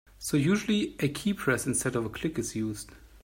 So usually a keypress instead of a click is used.